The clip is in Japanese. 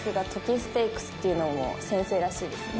ステークスっていうのも先生らしいですね。